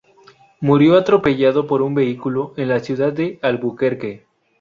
Murió atropellado por un vehículo en la ciudad de Albuquerque.